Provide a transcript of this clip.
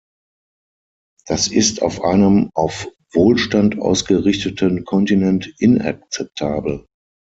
Das ist auf einem auf Wohlstand ausgerichteten Kontinent inakzeptabel.